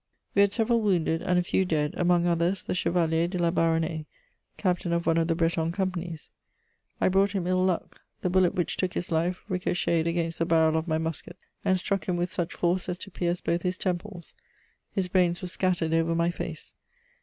We had several wounded and a few dead, among others the Chevalier de La Baronnais, captain of one of the Breton companies. I brought him ill luck: the bullet which took his life ricochetted against the barrel of my musket and struck him with such force as to pierce both his temples; his brains were scattered over my face.